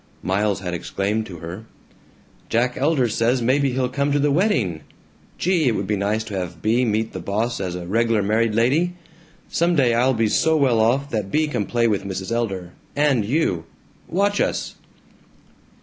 Miles had exclaimed to her, "Jack Elder says maybe he'll come to the wedding! Gee, it would be nice to have Bea meet the Boss as a reg'lar married lady. Some day I'll be so well off that Bea can play with Mrs. Elder and you! Watch us!"